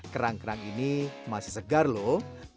kerang kerang ini masih segar loh